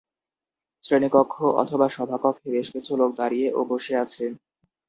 শ্রেণীকক্ষ অথবা সভাকক্ষে বেশ কিছু লোক দাঁড়িয়ে ও বসে আছে